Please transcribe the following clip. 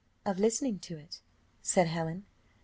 "Of listening to it," said Helen.